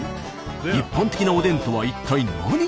一般的なおでんとは一体何が違うのか？